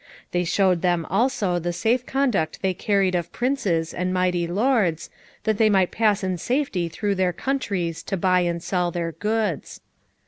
They showed them also the safe conduct they carried of princes and mighty lords that they might pass in safety through their countries to buy and sell their goods.